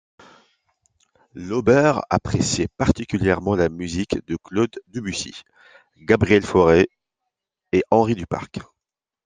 Lauber appréciait particulièrement la musique de Claude Debussy, Gabriel Fauré et Henri Duparc.